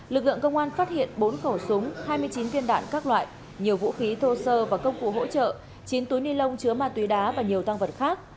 lực lượng công an phát hiện bốn khẩu súng hai mươi chín viên đạn các loại nhiều vũ khí thô sơ và công cụ hỗ trợ chín túi ni lông chứa ma túy đá và nhiều tăng vật khác